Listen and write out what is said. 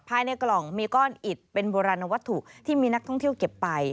ภายในกล่องมีก้อนอิดเป็นโบราณวัตถุที่มีนักท่องเที่ยวเก็บไป